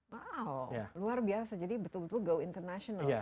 wow luar biasa jadi betul betul go international